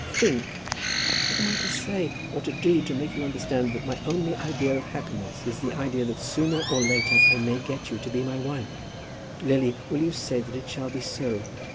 "Think! what am I to say or to do to make you understand that my only idea of happiness is the idea that sooner or later I may get you to be my wife? Lily, will you say that it shall be so?